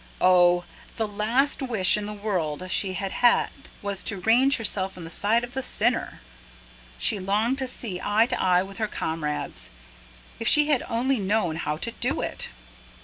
Oh! the last wish in the world she had was to range herself on the side of the sinner; she longed to see eye to eye with her comrades if she had only known how to do it.